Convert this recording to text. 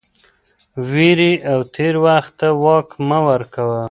وېرې او تېر وخت ته واک مه ورکوه